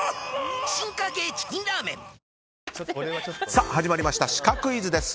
さあ、始まりましたシカクイズです。